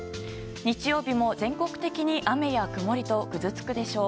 日曜日も全国的に雨や曇りとぐずつくでしょう。